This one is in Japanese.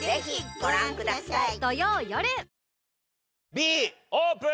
Ｂオープン！